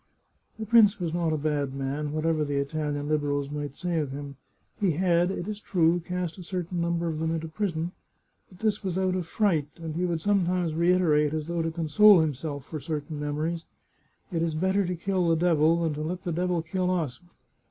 The prince was not a bad man, whatever the Italian Liberals might say of him. He had, it is true, cast a certain number of them into prison, but this was out of fright, and he would sometimes reiterate, as though to console himself for certain memories, " It is better to kill the devil than to let the devil kill us."